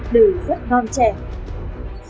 đời rất non trẻ